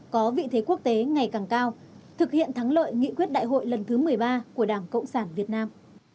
có vị thế quốc tế ngày càng cao thực hiện thắng lợi nghị quyết đại hội lần thứ một mươi ba của đảng cộng sản việt nam